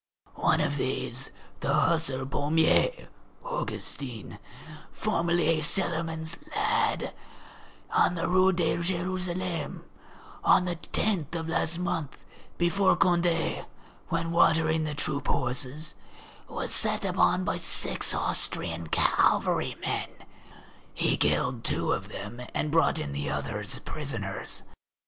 One of these, the hussar Pommier (Augustin), formerly a cellarman's lad in the Rue de Jérusalem, on the 10th of last month, before Condé, when watering the troop horses, was set upon by six Austrian cavalrymen; he killed two of them and brought in the others prisoners.